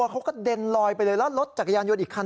เขากระเด็นลอยไปเลยแล้วรถจักรยานยนต์อีกคัน